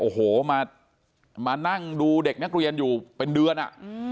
โอ้โหมานั่งดูเด็กนักเรียนอยู่เป็นเดือนอ่ะ